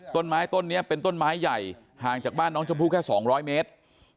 ต้นไม้ต้นนี้เป็นต้นไม้ใหญ่ห่างจากบ้านน้องชมพู่แค่๒๐๐เมตร